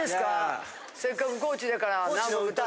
せっかく高知だから歌。